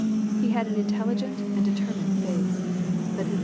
He had an intelligent and determined face, but at the